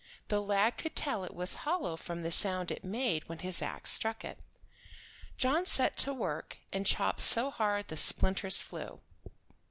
The lad could tell it was hollow from the sound it made when his ax struck it. John set to work, and chopped so hard the splinters flew.